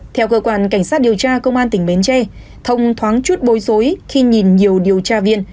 theo cơ quan cảnh sát điều tra công an tỉnh bến tre thông thoáng chút bối rối khi nhìn nhiều điều tra viên